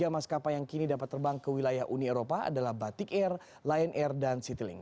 tiga maskapai yang kini dapat terbang ke wilayah uni eropa adalah batik air lion air dan citylink